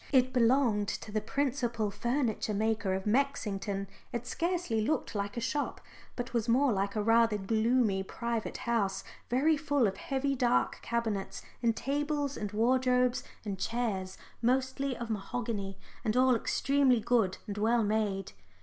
It belonged to the principal furniture maker of Mexington. It scarcely looked like a shop, but was more like a rather gloomy private house very full of heavy dark cabinets and tables and wardrobes and chairs, mostly of mahogany, and all extremely good and well made.